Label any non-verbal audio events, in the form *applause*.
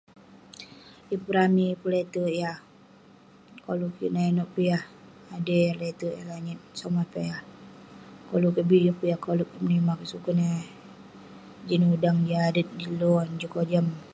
Yeng pun ramey, yeng pun leterk yah koleg kik. Nak inouk peh yah, *unintelligible* leterk, lonyat, somah peh yah, koluk kik bi. Yeng pun yah koleg kik menimah kek, sukon eh jin udang, jin adet, jin lo, jin kojam.